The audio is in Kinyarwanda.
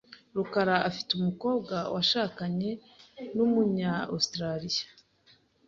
rukara afite umukobwa washakanye numunyaustraliya .